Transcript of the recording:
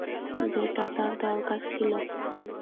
যেটা তার দরকার ছিল।